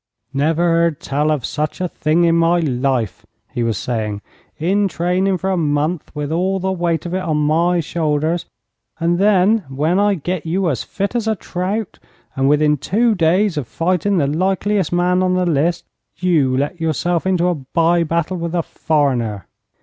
'Never heard tell of such a thing in my life,' he was saying. 'In training for a month with all the weight of it on my shoulders, and then when I get you as fit as a trout, and within two days of fighting the likeliest man on the list, you let yourself into a by battle with a foreigner.'